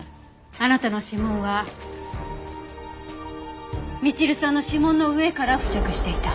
あなたの指紋はみちるさんの指紋の上から付着していた。